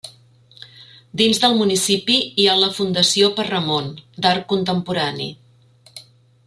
Dins del municipi hi ha la Fundació Perramon, d'art contemporani.